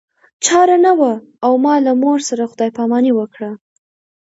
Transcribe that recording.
چاره نه وه او ما له مور سره خدای پاماني وکړه